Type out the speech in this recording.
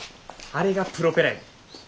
あれがプロペラや。